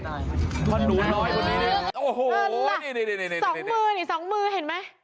นี่แล้วพอนี่พอหนูรอยพอนี่นี่โอ้โหนี่นี่นี่นี่นี่สองมือนี่สองมือเห็นไหม